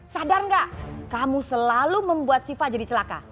sadar gak kamu selalu membuat siva jadi celaka